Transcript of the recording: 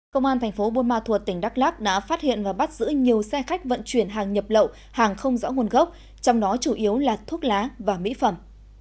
công an tp bôn ma thuật tỉnh đắk lắk đã phát hiện và bắt giữ nhiều xe khách vận chuyển hàng nhập lậu hàng không rõ nguồn gốc trong đó chủ yếu là thuốc lá và mỹ phẩm